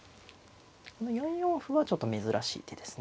この４四歩はちょっと珍しい手ですね。